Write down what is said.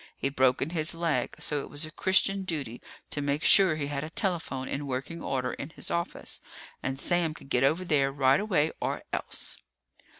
He'd broken his leg, so it was a Christian duty to make sure he had a telephone in working order in his office, and Sam could get over there right away or else.